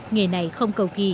nghe này không cầu